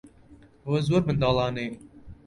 ئەوە زۆر منداڵانەیە.